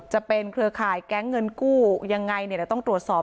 จะเป็นเครือข่ายแก๊งเงินกู้ยังไงเนี่ยเราต้องตรวจสอบ